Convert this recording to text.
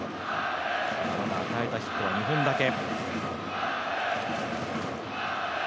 与えたヒットは２本だけ。